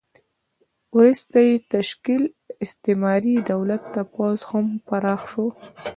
وروسته یې تشکیل د استعماري دولت تر پوځ هم پراخ شو.